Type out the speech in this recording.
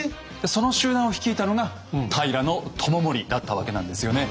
その集団を率いたのが平知盛だったわけなんですよね。